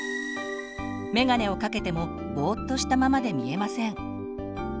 めがねをかけてもぼっとしたままで見えません。